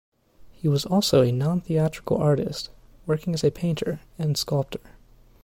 He was also a non-theatrical artist, working as a painter and sculptor.